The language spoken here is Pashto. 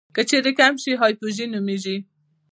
که چیرې کم شي هایپوژي نومېږي.